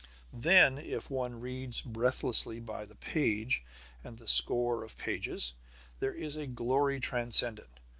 Then if one reads breathlessly by the page and the score of pages, there is a glory transcendent.